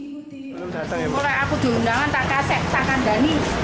sebenarnya tak kasek tak kandani